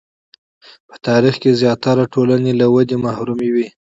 په تاریخ کې زیاتره ټولنې له ودې محرومې وې.